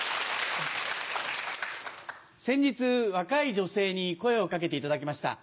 先日若い女性に声を掛けていただきました。